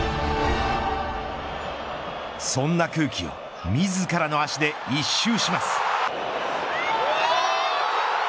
そんな空気を自らの足で一蹴します。